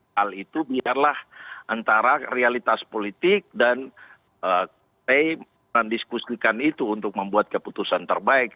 hal itu biarlah antara realitas politik dan p mendiskusikan itu untuk membuat keputusan terbaik